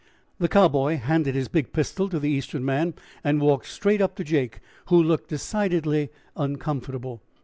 The Cowboy handed his big pistol to the Eastern man and walked straight up to Jake, who looked decidedly uncomfortable.